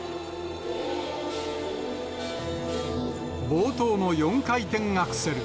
冒頭の４回転アクセル。